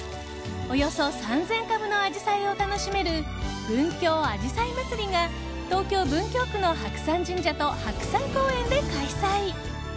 およそ３０００株のアジサイを楽しめる文京あじさいまつりが東京・文京区の白山神社と白山公園で開催。